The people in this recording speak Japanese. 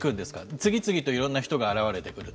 次々といろんな人が現れてくると？